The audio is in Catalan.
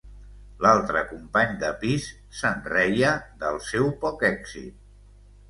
L’altre company de pis, se’n reia, del seu poc èxit...